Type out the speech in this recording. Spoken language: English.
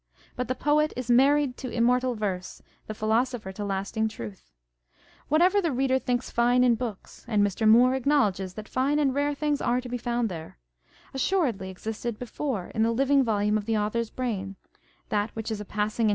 But the poet is " married to immortal verse," the philosopher to lasting truth. Whatever the reader thinks fine in books (and Mr. Moore acknowledges that fine and rare things are to be found there) assuredly existed before in the living volume of the author's brain : that which is a passing and On the Jealousy and the Spleen of Party.